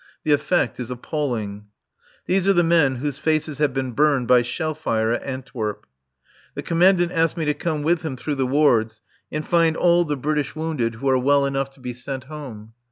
The effect is appalling. These are the men whose faces have been burned by shell fire at Antwerp. The Commandant asked me to come with him through the wards and find all the British wounded who are well enough to be sent home.